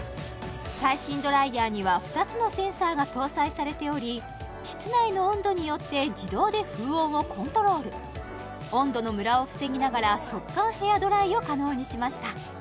最新ドライヤーには２つのセンサーが搭載されており室内の温度によって自動で風温をコントロール温度のムラを防ぎながら速乾ヘアドライを可能にしました